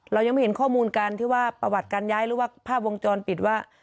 เรายังไม่เห็นข้อมูลการที่ว่าประวัติการย้ายหรือว่าภาพวงจรปิดว่า